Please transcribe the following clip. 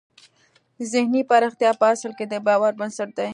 ذهني پراختیا په اصل کې د باور بنسټ دی